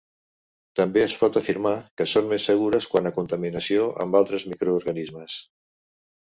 També es pot afirmar que són més segures quant a contaminació amb altres microorganismes.